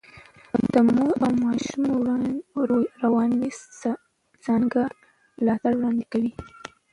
د مور او ماشوم رواني څانګه ملاتړ وړاندې کوي.